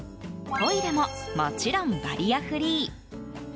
トイレももちろんバリアフリー。